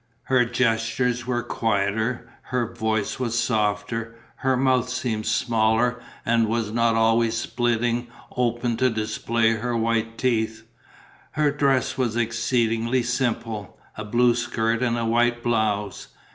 Her gestures were quieter, her voice was softer, her mouth seemed smaller and was not always splitting open to display her white teeth; her dress was exceedingly simple: a blue skirt and a white blouse.